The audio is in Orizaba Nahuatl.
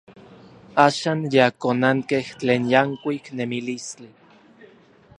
Axan yankonankej tlen yankuik nemilistli.